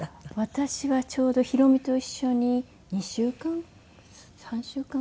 私はちょうど宏美と一緒に２週間３週間くらい前？